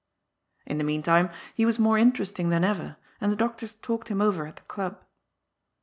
In the meantime he was more interesting than ever, and the doctors talked him over at the Olub.